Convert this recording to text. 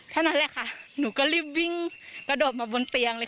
เท่านั้นแหละค่ะหนูก็รีบวิ่งกระโดดมาบนเตียงเลย